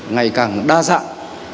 ngày càng đa dạng